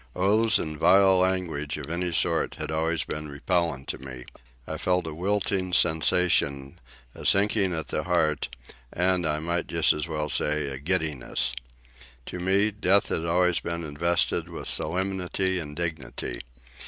Oaths and vile language of any sort had always been repellent to me. I felt a wilting sensation, a sinking at the heart, and, I might just as well say, a giddiness. To me, death had always been invested with solemnity and dignity.